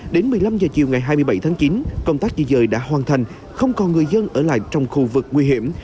đến một mươi năm h chiều ngày hai mươi bảy tháng chín công tác di dời đã hoàn thành không còn người dân ở lại trong khu vực nguy hiểm